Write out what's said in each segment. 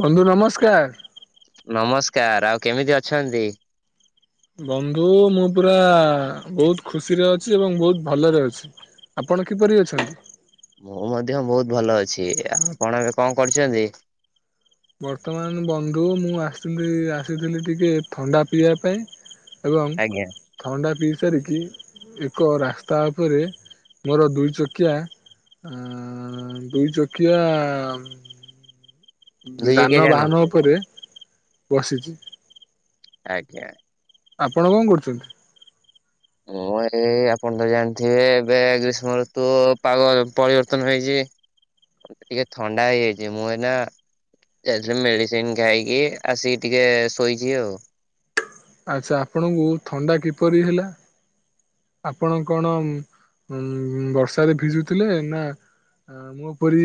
ଭଲୁ ନମସ୍କାର୍। ନମସ୍କାର ଆଉ କେମିତି ଅଛନ୍ତି? ବନ୍ଧୁ, ମୁଁ ପୁରା ବହୁତ୍ ଖୁସିରେ ଅଛି ଏବଂ ବହୁତ୍ ଭଲରେ ଅଛି। ଆପଣ କିପରି ଅଛନ୍ତି? ମୁଁ ମଧ୍ୟ ବହୁତ୍ ଭଲ ଅଛି। ଆଉ ଆପଣ ଏବେ କଣ କରୁଚନ୍ତି? ବର୍ତ୍ତମାନ ବନ୍ଧୁ ମୁଁ ଆସିଥିଲି ଆସିଥିଲି ଟିକେ ଥଣ୍ଡା ପିଇବା ପାଇଁ। ଏବଂ ଆଜ୍ଞା ଥଣ୍ଡା ପିଇ ସ [unintelligible] ଏକ ରାସ୍ତା ଉପରେ ମୋର ଦୁଇ ଚକିଆ ଆଁ ଦୁଇ ଚକିଆ ଦୁଇ ଚକିଆ ଯାନ ଯାନବାହାନ ଉପରେ ବସିଛି। ଆଜ୍ଞା। ଆପଣ କଣ କରୁଛନ୍ତି? ମୁଁ ଏଇ ଆପଣ ତ ଜାଣିଥିବେ ଏବେ ଗ୍ରୀଷ୍ମ ଋତୁ ପାଗ ପରିବର୍ତ୍ତନ ହେଇଛି। ଟିକେ ଥଣ୍ଡା ହେଇଯାଇଛି ମୁଁ ଏଇନା ଯାଉଛି ମେଡିସିନ୍ ଖାଇକି ଆସିକି ଟିକେ ଶୋଇଛି ଆଉ। ଆଚ୍ଛା ଆପଣଙ୍କୁ ଥଣ୍ଡା କିପରି ହେଲା? ଆପଣ କଣ ଉଁ‌ ବର୍ଷାରେ ଭିଜୁଥିଲେ ନା ଆମ ପରି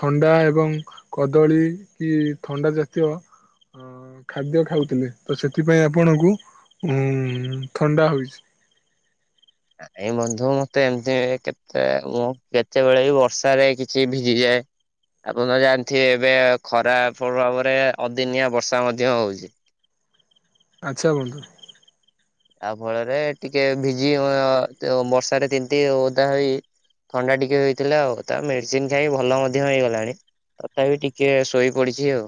ଥଣ୍ଡା ଏବଂ କଦଳୀ କି ଥଣ୍ଡା ଜାତୀୟ ଅଁ ଖାଦ୍ୟ ଖାଉଥିଲେ ତ ସେଥିପାଇଁ ଆପଣଙ୍କୁ ଉଁ ଥଣ୍ଡା ହେଇଛି। ନାଇଁ ବନ୍ଧୁ ମତେ ଏମତି କେତେ ମୁଁ କେତେବେଳେ ବି ବର୍ଷାରେ କିଛି ଭିଜି ଭିଜିଯାଏ। ଆପଣ ତ ଜାଣିଥିବେ ଏବେ ଖରା ପ୍ରଭାବରେ ଅଦିନିଆ ବର୍ଷା ମଧ୍ୟ ହଉଛି। ଆଚ୍ଛା ବନ୍ଧୁ। ତା ଫଳରେ ଟିକେ ଭିଜି ବର୍ଷାରେ ତିନ୍ତି ଓଦା ହୋଇ ଥଣ୍ଡା ଟିକେ ହେଇଥିଲା ଆଉ ତା ମେଡିସିନ ଖାଇ ଭଲ ମଧ୍ୟ ହେଇଗଲାଣି। ତଥାପି ଟିକେ ଶୋଇ ପଡ଼ିଛି ଆଉ।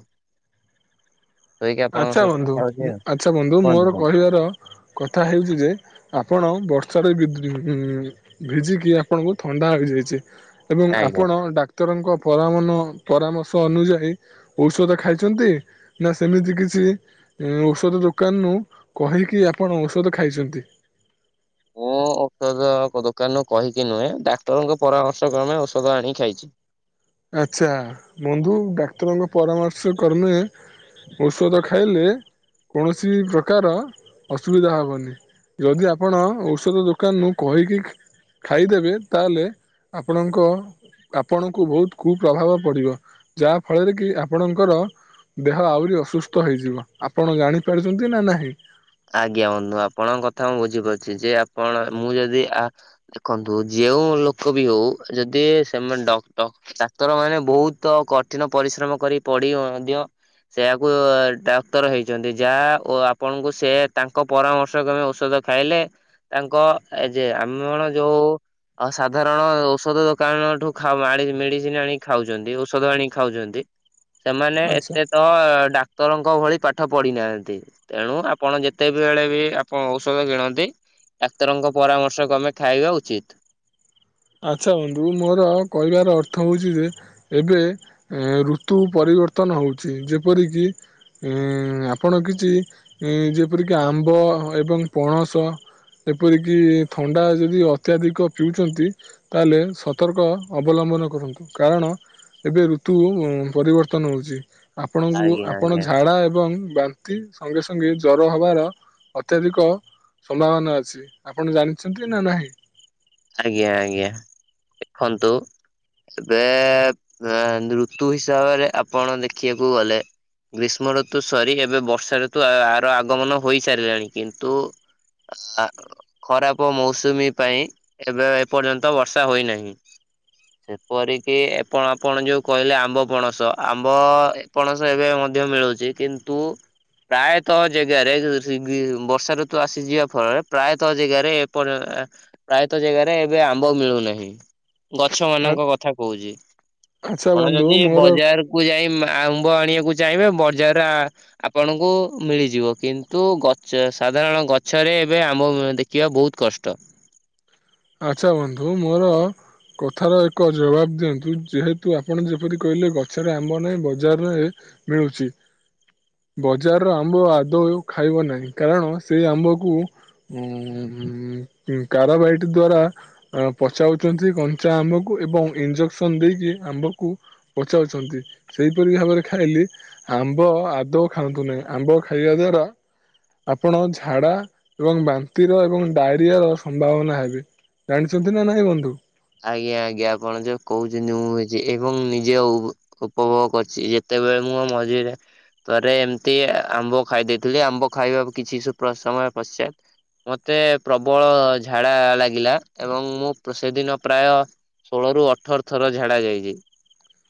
ଶୋଇକି ଆପଣଙ୍କ ଆଚ୍ଛା ସହିତ ବନ୍ଧୁ କଥା ହଉଛି ଆଉ ଆଚ୍ଛା ବନ୍ଧୁ କୁହନ୍ତୁ ମୋର କୁହନ୍ତୁ କହିବାର କଥା ହେଉଛି ଯେ ଆପଣ ବର୍ଷାରେ ଭିଜିକି ଆପଣଙ୍କୁ ଥଣ୍ଡା ହୋଇଯାଇଛି। ଏବଂ ଆଜ୍ଞା। ଆପଣ ଡାକ୍ତରଙ୍କ ପରାମନ ପରାମର୍ଶ ଅନୁଯାୟୀ ଔଷଧ ଖାଇଛନ୍ତି ନା ସେମିତି କିଛି ଔଷଧ ଦୋକାନରୁୁ କହିକି ଆପଣ ଔଷଧ ଖାଇଛନ୍ତି। ମୁଁ ଔଷଧ ଦୋକାନରୁୁ କହିକି ନୁହେଁ ଡାକ୍ତରଙ୍କ ପରାମର୍ଶ କ୍ରମେ ଔଷଧ ଆଣି ଖାଇଛି। ଆଚ୍ଛା ବନ୍ଧୁ ଡାକ୍ତରଙ୍କ ପରାମର୍ଶ କ୍ରମେ ଔଷଧ ଖାଇଲେ କୌଣସି ପ୍ରକାର ଅସୁବିଧା ହବନି। ଯଦି ଆପଣ ଔଷଧ ଦୋକାନରୁୁ କହିକି ଖାଇଦେବେ ତାହେଲେ ଆପଣଙ୍କ ଆପଣଙ୍କୁ ବହୁତ୍ କୁପ୍ରଭାବ ପଡ଼ିବ ଯାହାଫଳରେ କି ଆପଣଙ୍କର ଦେହ ଆହୁରି ଅସୁସ୍ଥ ହେଇଯିବ ଆପଣ ଜାଣିପାରୁଛନ୍ତି ନା ନାହିଁ। ଆଜ୍ଞା ବନ୍ଧୁ ଆପଣଙ୍କ କଥା ମୁଁ ବୁଝିପାରୁଛି ଯେ ଆପଣ ମୁଁ ଯଦି ଆ ଦେଖନ୍ତୁ ଯିଏ ଯୋଉଁ ଲୋକ ବି ହଉ ଯଦି ସେମାନେ ଡକ୍ଟ ଡାକ୍ତର ମାନେ ବହୁତ କଠିନ ପରିଶ୍ରମ କରି ପଡି ମଧ୍ୟ ସେୟାକୁ ଡାକ୍ତର ହେଇଛନ୍ତି ଯାହା ଓ ଆପଣଙ୍କୁ ସେ ତାଙ୍କ ପରାମର୍ଶ କ୍ରମେ ଔଷଧ ଖାଇଲେ ତାଙ୍କ ଏ ଯେ ଆମର ଯୋଉ ଆଉ ସାଧାରଣ ଔଷଧ ଦୋକାନଠୁ ଖାଉ ଆଣିକି ମେଡ଼ିସିନ୍ ଆଣିି ଖାଉଛନ୍ତି ଔଷଧ ଆଣି ଖାଉଛନ୍ତି। ସେମାନେ ଆଚ୍ଛା ଏତେ ତ ଡାକ୍ତରଙ୍କ ଭଳି ପାଠ ପଢିନାହାନ୍ତି ତେଣୁ ଆପଣ ଯେତେବେଳେ ବି ଆପଣ ଔଷଧ କିଣନ୍ତି ଡାକ୍ତରଙ୍କ ପରାମର୍ଶ କ୍ରମେ ଖାଇବା ଉଚିତ୍। ଆଚ୍ଛା ବନ୍ଧୁ ମୋର କହିବାର ଅର୍ଥ ହଉଛି ଯେ ଏବେ ଏଁ ଋତୁ ପରି ପରିବର୍ତ୍ତନ ହଉଛି ଯେପରିକି ଆପଣ କିଛି ଯେପରିକି ଆମ୍ବ ଏବଂ ପଣସ ଏପରିକି ଥଣ୍ଡା ଯଦି ଅତ୍ୟଧିକ ପିଉଚନ୍ତି ତାହେଲେ ସତର୍କ ଅବଲମ୍ବନ କରନ୍ତୁ କାରଣ ଏବେ ଋତୁ ପରିବର୍ତ୍ତନ ହଉଛି ଆପଣଙ୍କୁ ଆଜ୍ଞା ଆପଣ ଆଜ୍ଞା ଝାଡ଼ା ଏବଂ ବାନ୍ତି ସଙ୍ଗେ ସଙ୍ଗେ ଜ୍ଵର ହବାର ଅତ୍ୟଧିକ ସମ୍ଭାବନା ଅଛି ଆପଣ ଜାଣିଛନ୍ତି ନା ନାହିଁ। ଆଜ୍ଞା ଆଜ୍ଞା ଦେଖନ୍ତୁ ଏବେ ଋତୁ ହିସାବରେ ଆପଣ ଦେଖିବାକୁ ଗଲେ ଗ୍ରୀଷ୍ମ ଋତୁ ସରି ଏବେ ବର୍ଷା ଋତୁ ଆର ଆଗମନ ହୋଇସାରିଲାଣି କିନ୍ତୁ ନା ଖରାପ ମୌସୁମୀ ପାଇଁ ଏବେ ଏପର୍ଯ୍ୟନ୍ତ ବର୍ଷା ହୋଇନାହିଁ। ସେପରିକି ଆପଣ ଆପଣ ଯୋଉ କହିଲେ ଆମ୍ବ ପଣସ ଆମ୍ବ ପଣସ ଏବେ ମଧ୍ୟ ମିଳୁଛି କିନ୍ତୁ ପ୍ରାୟତଃ ଜାଗାରେ ଯି ଗି ବର୍ଷା ଋତୁ ଆସିଯିବା ଫଳରେ ପ୍ରାୟତଃ ଜାଗାରେ ଏପର ଆ ପ୍ରାୟତଃ ଜାଗାରେ ଏବେ ଆମ୍ବ ମିଳୁନାହିଁ। ଗଛ ମାନଙ୍କ କଥା କହୁଛି। ଆଚ୍ଛା କଣ ବନ୍ଧୁ ଯଦି ମୋର ବଜାର କୁ ଯାଇ ଏମ୍ ଆମ୍ବ ଆଣିବାକୁ ଚାହିଁବେ ବ ଜାରା ଆପଣଙ୍କୁ ମିଳିଯିବ କିନ୍ତୁ ଗଛ ସାଧାରଣ ଗଛରେ ଏବେ ଆମ୍ବ ଦେଖିବା ବହୁତ କଷ୍ଟ। ଆଛା ବନ୍ଧୁ ମୋର କଥାର ଏକ ଜବାବ ଦିଅନ୍ତୁ ଯେହେତୁ ଆପଣ ଯେପରି କହିଲେ ଗଛରେ ଆମ୍ବ ନାହିଁ ବଜାରରେ ମିଳୁଛି। ବଜାରର ଆମ୍ବ ଆଦୌ ଖାଇବ ନାହିଁ କାରଣ ସେଇ ଆମ୍ବକୁ ଉ ହୁଁଁ କାର ବାଇଟ ଦ୍ଵାରା ପଚାଉଛନ୍ତି କଞ୍ଚା ଆମ୍ବକୁ ଏବଂ ଇଞ୍ଜେକ୍ସନ ଦେଇକି ଆମ୍ବକୁ ପଚାଉଛନ୍ତି ସେଇପରି ଭାବରେ ଖାଇଲେ ଆମ୍ବ ଆଦୌ ଖାଆନ୍ତୁ ନାହିଁ ଆମ୍ବ ଖାଇବା ର ଆପଣ ଝାଡା ଏବଂ ବାନ୍ତିର ଏବଂ ଡାଇରିଆ ର ସମ୍ଭାବନା ହେବେ। ଜାଣିଛନ୍ତି ନା ନାଇଁ ବନ୍ଧୁ? ଆଜ୍ଞା ଆଜ୍ଞା ଆପଣ ଯୋଉ କହୁଛନ୍ତି ମୁଁ କିଛି ଏବଂ ନିଜେ ଉ-ଉପଭୋଗ କରିଛି ଯେତେ। ସେତବେଳେ ମୁଁ ମଝିରେ ଥରେ ଏମିତି ଆ-ଆମ୍ବ ଖାଇ ଦେଇଥିଲି ଆମ୍ବ ଖାଇବାକୁ କିଛି ସମୟ ପଶ୍ଚାତ ମତେ ପ୍ରବଳ ଝାଡା ଲାଗିଲା ଏବଂ ମୁଁ ସେଦିନ ପ୍ରାୟ ଷୋହଳ ରୁ ଅଠର ଥର ଝାଡା ଯାଇଛି।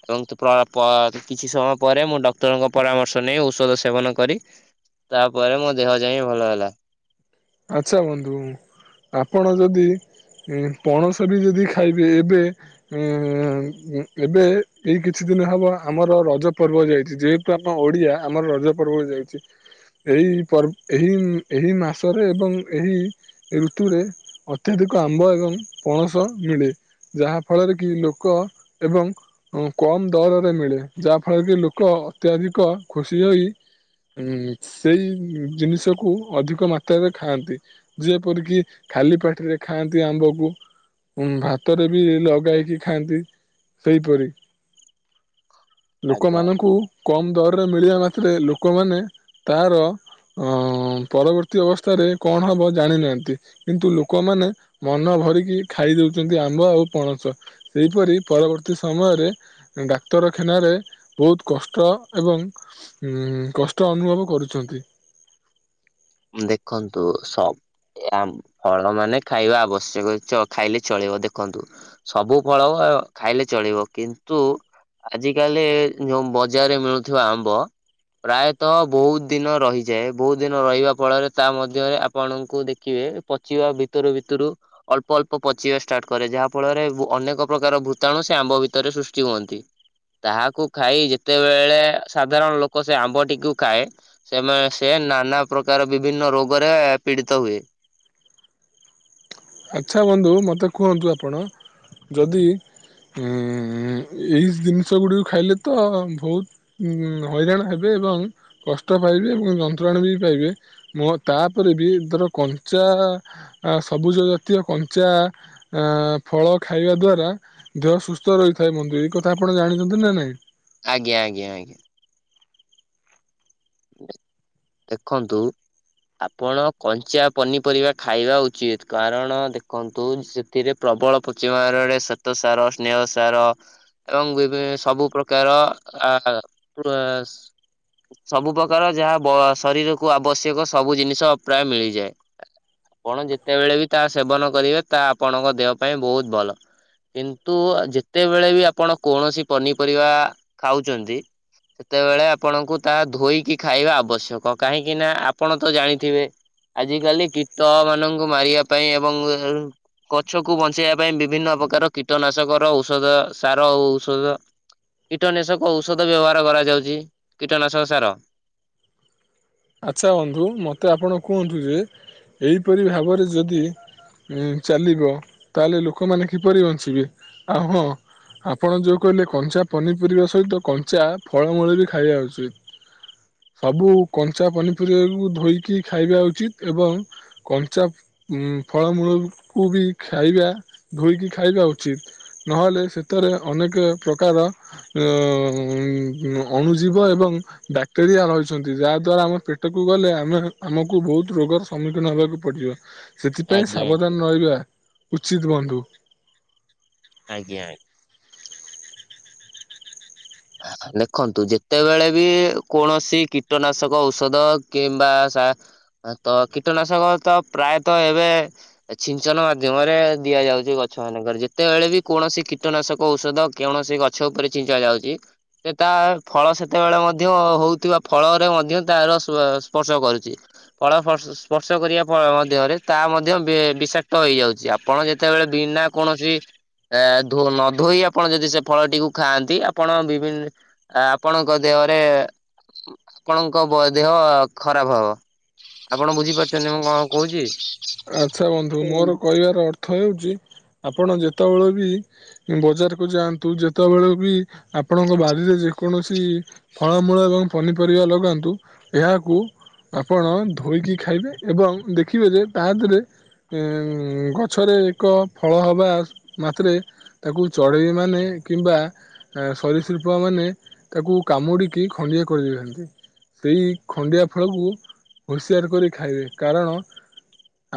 ଏବଂ ପ ପ କିଛି ସମୟ ପରେ ମୁଁ ଡକ୍ଟରଙ୍କ ପରାମର୍ଶ ନେଇ ଔଷଧ ସେବନ କରି ତାପରେ ମୋ ଦେହ ଯାଇଁ ଭଲ ହେଲା। ଆଚ୍ଛା ବନ୍ଧୁ ଆପଣ ଯଦି ପଣସ ବି ଯଦି ଖାଇବେ ଏବେ ଇ ଇ ଏବେ ଏଇ କିଛି ଦିନ ହବ ଆମର ରଜ ପର୍ବ ଯାଇଛି ଯେହେତୁ ଆମ ଓଡିଆ ଆମର ରଜ ପର୍ବ ଯାଇଛି। ଏହି ପର୍ବ ଏହି ଏହି ମାସ ରେ ଏବଂ ଏହି ଋତୁରେ ଅତ୍ୟଧିକ ଆମ୍ବ ଏବଂ ପଣସ ମିଳେ। ଯାହା ଫଳରେ କି ଲୋକ ଏବଂ କମ ଦରରେ ମିଳେ ଯାହା ଫଳରେ କି ଲୋକ ଅତ୍ୟଧିକ ଖୁସି ହୋଇ ଉ ସେଇ ଜିନିଷକୁ ଅଧିକ ମା ତାରେ ଖାଆନ୍ତି ଯେପରିକି ଖାଲି ପାଟିରେ ଖାଆନ୍ତି ଆମ୍ବକୁ। ଉଁ ଭାତରେ ବି ଲଗାଇକି ଖାଆନ୍ତି ସେହିପରି ଆଜ୍ଞା। ଲୋକମାନଙ୍କୁ କମ ଦ ମିଳିବା ମାତ୍ରେ ଲୋକ ମାନେ ତାହାର ଅ ପରବ ପରବର୍ତ୍ତୀ ଅବସ୍ଥାରେ କଣ ହବ ଜାଣିନାହାନ୍ତି କିନ୍ତୁ ଲୋକମାନେ ମନ ଭରିକି ଖାଇଦଉଛନ୍ତି ଆ ଆମ୍ୱ ଆଉ ପଣସ ସେହିପରି ପରବର୍ତ୍ତୀ ସମୟରେ ଡାକ୍ତରଖାନାରେ ବହୁତ କଷ୍ଟ ଏବଂ ଉମ କଷ୍ଟ ଅନୁଭବ କରୁଛନ୍ତି। ଦେଖନ୍ତୁ ସବ ଏ ଆମ ଫଳ ମାନେ ଖାଇବା ଆବଶ୍ୟକ ଚ ଖାଇଲେ ଚଳିବ ଦେଖନ୍ତୁ ସବୁ ଫଳ ଖାଇଲେ ଚଳିବ କିନ୍ତୁ ଆଜି କାଲି ଯୋଉ ବଜାରରେ ମିଳୁଥିବା ଆମ୍ବ ପ୍ରାୟତଃ ବହୁତ ଦିନ ରହିଯାଏ ବହୁତ ଦିନ ରହିବା ଫଳରେ ତା ମଧ୍ୟରେ ଆପଣଙ୍କୁ ଦେଖିବେ ପଚିବା ଭିତରୁ ଭିତରୁ ଅଳ୍ପ ଅଳ୍ପ ପଚିବା ଷ୍ଟା କରେ ଯାହା ଫଳରେ ବ ଅନେକ ପ୍ରକାର ଭୂତାଣୁ ସେ ଆମ୍ବ ଭିତରେ ସୃଷ୍ଟି ହୁଅନ୍ତି। ତାହାକୁ ଖାଇ ଯେତେବେଳେ ସାଧାରଣ ଲୋକ ସେ ଆମ୍ବଟିକୁ ଖାଏ ସେମାନେ ସେ। ନାନା ପ୍ରକାର ବିଭିନ୍ନ ରୋଗରେ ପୀଡିତ ହୁଏ। ଆଚ୍ଛା ବନ୍ଧୁ ମୋତେ କୁହନ୍ତୁ ଆପଣ ଯଦି। ଉମ ଏଇ ଜିନିଷ ଗୁଡିକୁ ଖାଇଲେ ତ ବହୁତ ହଇରାଣ ହେବେ। ଏବଂ କଷ୍ଟ ପାଇବେ ଏବଂ ଯନ୍ତ୍ରଣା ବି ପାଇବେ ମୋ ତାପରେ ବି ଧର କଞ୍ଚା। ଆ ସବୁଜ। ଜାତୀୟ କଞ୍ଚା ଆ ଫଳ ଖାଇବା ଦ୍ଵାରା ଦେହ ସୁସ୍ଥ ରହିଥାଏ ମନଦେଇ ଏଇ କଥା ଆ ଆପଣ ଜାଣିଛନ୍ତି ନା ନାଇଁ। ଆଜ୍ଞା ଆଜ୍ଞା ଆଜ୍ଞା। ଦେଖନ୍ତୁ। ଆପଣ କଞ୍ଚା ପନିପରିବା ଖାଇବା ଉଚିତ କାରଣ ଦେଖନ୍ତୁ ସେ ପ୍ର ପ୍ରବଳ ପୁଚିମାର ଡେ ଶ୍ଵେତ ସାର ସ୍ନେହ ସାର। ଏବଂ ବିଭି ସବୁ ପ୍ରକାର ଆ। ସବୁ ପ୍ରକାର ଯାହା ବ ଶରୀରକୁୁ ଆବଶ୍ୟକ ସବୁ ଜିନିଷ ପ୍ରାୟ ମିଳିଯାଏ। ଆପଣ ଯେତେବେଳେ ବି ତା ସେବନ କରିବେ ତା ଆପଣଙ୍କ ଦେହ ପାଇଁ ବହୁତ ଭଲ। କିନ୍ତୁ ଯେତେବେଳେ ବି ଆପଣ କୌଣସି ପନିପରିବା ଖାଉଛନ୍ତି। ସେତେବେଳେ ଆପଣଙ୍କୁ। ତାହା ଧୋଇକି ଖାଇବା ଆବଶ୍ୟକ କାହିଁକି ନା ଆପଣ ତ ଜାଣିଥିବେ। ଆଜିକାଲି କୀର୍ତ ମାନଙ୍କୁ ମାରିବା ପାଇଁ ଏବଂ। ଗଛକୁ ବଞ୍ଚେଇବା ପାଇଁ ବିଭିନ୍ନ ପ୍ରକାର କୀଟନାଶକର ଔଷଧ ସାର ଔଷଧ। କୀଟନାଶକ ଔଷଧ ବ୍ୟବହାର କରାଯାଉଛି କୀଟନାଶକ ସାର ଆଚ୍ଛା ବନ୍ଧୁ ମୋତେ ଆପଣ କୁହନ୍ତୁ ଯେ ଏହିପରି ଭାବରେ ଯଦି ଉ ଚାଲିବ ତାହେଲେ ଲୋକମାନେ କିପରି ବଞ୍ଚିବେ ଆଉ ହଁ ଆପଣ ଯୋଉ କହିଲେ କଞ୍ଚା ପନିପରିବା ସହିତ କଞ୍ଚା ଫଳମୂଳ ବି ଖାଇବା ଉଚିତ, ସବୁ କଞ୍ଚା କଞ୍ଚା ପନିପରିବାକୁ ଧୋଇକି ଖାଇବା ଉଚିତ୍ ଏବଂ କଞ୍ଚା ଉଁ ଫଳମୂଳ କୁ ବି ଖାଇବା ଧୋଇୋଇକି ଖାଇବା ଉଚିତ ନହେଲେ ସେଥିରେ ଅନେକ ପ୍ରକାର ଅଣୁଜୀବ ଏବଂ ବାକ୍ଟେରିଆ ରହିଛନ୍ତି ଯାହା ଦ୍ଵାରା ଆମ ପେଟକୁ ଗଲେ ଆମେ ଆମକୁ ବହୁତ ରୋଗର ସମ୍ମୁଖୀନ ହେବାକୁ ପଡିବ ସେଥିପାଇଁ ଆଜ୍ଞା ଆଜ୍ଞା ସାବଧାନ ରହିବା ଉଚିତ ବନ୍ଧୁ। ଆଜ୍ଞା ଆଜ୍ଞା। ଦେଖନ୍ତୁ ଯେତେବେଳେ ବି କୌଣସି କୀଟନାଶକ ଔଷଧ କିମ୍ବା ତ କୀଟନାଶକ ତ ପ୍ରାୟତଃ ଏବେ ଛିଞ୍ଚନ ମାଧ୍ୟମରେ ଦିଆ ଯାଉଛି ଗଛ ମାନଙ୍କରେ ଯେତେବେଳେ ବି କୌଣସି କୀଟନାଶକ ଔଷଧ କୌଣସି ଗଛ ଉପରେ ଛିଞ୍ଚା ଯାଉଛି ସେ ତା ଫଳ ସେତେବେଳେ ମଧ୍ୟ ହଉଥିବା ଫଳରେ ମଧ୍ୟ ତାର ସ୍ପର୍ଶ କରୁ ଫଳ ସ୍ପର୍ଶ କରିବା ମଧ୍ୟରେ ତା ମଧ୍ୟ ବିଷାକ୍ତ ହେଇଯାଉଛି ଆପଣ ଯେତେ ଯେତବେଳେ ବିନା କୌଣସି ନ ଧୋଇ ଆପଣ ଯଦି ସେ ଫଳ ଟିକୁ ଖାଆନ୍ତି ଆପଣ ବିଭିନ୍ନ ଆପଣଙ୍କ ଦେହରେ ଆପଣଙ୍କ ଦେହ ଖରାପ ହବ। ଆପଣ ବୁଝିପାରୁଛନ୍ତି ମୁଁ କଣ କହୁଛି? ଆଚ୍ଛା ବନ୍ଧୁ ମୋର କହିବାର ଅର୍ଥ ଅର୍ଥ ହେଉଛି ଆପଣ ଯେତେବେଳେ ବି ବଜାରକୁ ଯାଆନ୍ତୁ ଯେତେବେଳେ ବି ଆ ଆପଣଙ୍କ ବାରିରେ ଯେକୌଣସି ଫଳମୂଳ ଏବଂ ପନିପରିବା ଲଗାନ୍ତୁ ଏହାକୁ ଆପଣ ଧୋଇକି ଖାଇବେ ଏବଂ ଦେଖିବେ ଯେ ତା ଦେହରେ ଗଛରେ ଏକ ଫଳ ହେବା ମାତ୍ରେ ତାକୁ ଚଢ଼େଇମାନୋନ କିମ୍ବା ସରୀଶିଳ୍ପମାନୋନ ତାକୁ କାମୁଡ଼ିକି ଖଣ୍ଡିଆ କରିଦେବେ ଏହି ଖଣ୍ଡିଆ ଫଳକୁ ପରିଷ୍କାର କରି ଖାଇବେ କାରଣ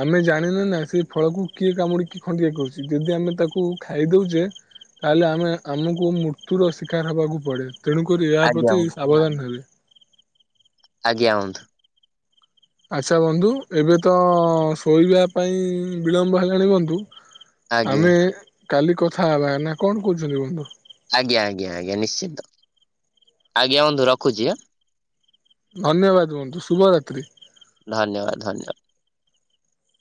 ଆମେ ଜାଣିନେ ନା ସେ ଫଳକୁ କିଏ କାମୁଡ଼ିକି ଖଡିଆ କରୁଛି ଯଦି ଆମେ ତାକୁ ଖାଇଦଉଛେ ତାହେଲେ ଆମେ ଆମକୁ ମୃତ୍ୟୁର ଶିକାର ହବାକୁ ପଡେ ତେଣୁ କରିରି ଏହା ଆଜ୍ଞା ପ୍ରତି ବନ୍ଧୁ ସାବଧାନ ହେବେ। ଆଜ୍ଞା ବନ୍ଧୁ। ଆଚ୍ଛା ବନ୍ଧୁ ଏବେ ତ ଶୋଇବା ପାଇଁ ବିଳମ୍ବ ହେଲାଣି ବନ୍ଧୁ ଆଜ୍ଞା। ଆମେ କାଲି କଥା ହେବା ନା କଣ କହୁଛନ୍ତି ବନ୍ଧୁ? ଆଜ୍ଞା- ଆଜ୍ଞା- ଆଜ୍ଞା ନିଶ୍ଚିନ୍ତ ଆଜ୍ଞା ବନ୍ଧୁ ରଖୁଛି ଆଁ। ଧନ୍ୟବାଦ ବନ୍ଧୁ ଶୁଭ ରାତ୍ରୀ। ଧନ୍ୟବାଦ ଧନ୍ୟବାଦ।